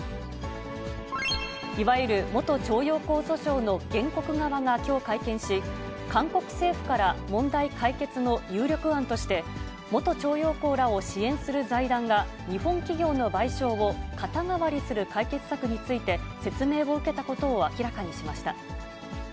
いわゆる元徴用工訴訟の原告側がきょう、会見し、韓国政府から問題解決の有力案として、元徴用工らを支援する財団が、日本企業の賠償を肩代わりする解決策について、説明を受けたことを明らかにしました。